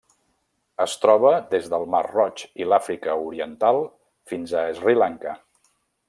Es troba des del mar Roig i l'Àfrica Oriental fins a Sri Lanka.